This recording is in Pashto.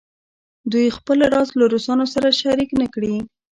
دوی خپل راز له روسانو سره شریک نه کړي.